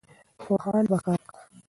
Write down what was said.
پوهان به کار کاوه.